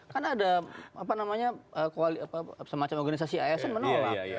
kan ada semacam organisasi asn menolak